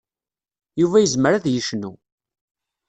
Yuba yezmer ad yecnu.